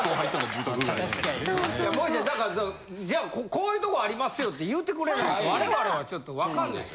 もえちゃんだからじゃあこういうとこありますよって言うてくれないと我々はちょっと分かんないです。